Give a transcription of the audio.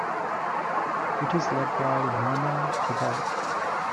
It is led by Nana Thibaut.